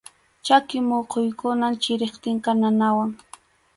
Chaki muquykunam chiriptinqa nanawan.